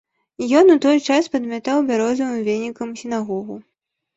Ён у той час падмятаў бярозавым венікам сінагогу.